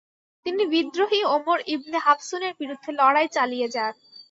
তিনি বিদ্রোহী Umar ibn হাফসুনের বিরুদ্ধে লড়াই চালিয়ে যান।